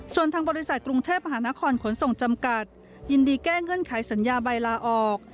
ส่วนทางบริษัทกรุงเทพมหานครขนส่งจำกัดยินดีแก้เงื่อนไขสัญญาใบลาออก